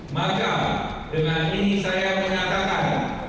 maka dengan ini saya menyatakan